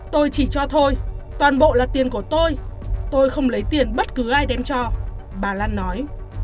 tôi chỉ cho thôi toàn bộ là tiền của tôi tôi không lấy tiền bất cứ ai đem cho bà lan nói